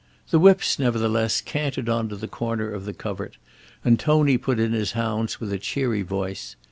The whips, nevertheless, cantered on to the corner of the covert, and Tony put in his hounds with a cheery voice.